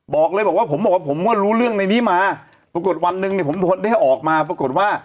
บอกเลยบอกว่าผมบอกว่าผมก็รู้เรื่องในนี้มาปรากฏวันหนึ่งเนี่ยผมได้ออกมาปรากฏว่า